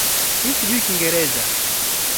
Zemlya na Kisiwa cha Wrangel kwenye Bahari